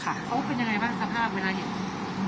เขาเป็นยังไงบ้างสภาพเวลาเห็น